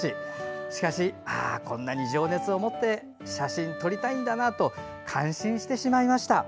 しかしこんなに情熱を持って写真を撮りたいんだなと感心してしまいました。